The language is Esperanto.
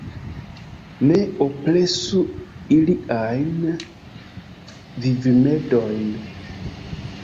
Ne opresu iliajn vivrimedojn.